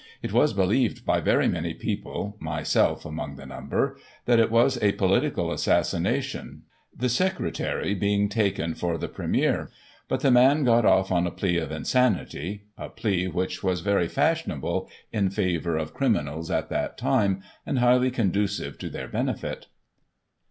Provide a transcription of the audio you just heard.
It was believed by very many people, myself among the number, that it was a political assassination, the Secretary being taken for the Premier, but the man got off on a plea of insanity, a plea which was very fashionable in favour of criminals at that time, and highly conducive to their benefit.